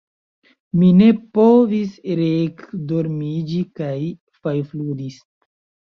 Mi ne povis reekdormiĝi kaj fajfludis.